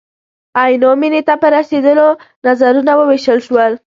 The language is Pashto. عینو مېنې ته په رسېدلو نظرونه ووېشل شول.